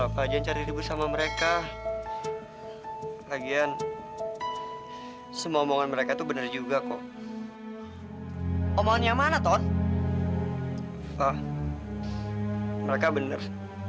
fah mereka bener